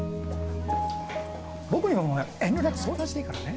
僕にも遠慮なく相談していいからね。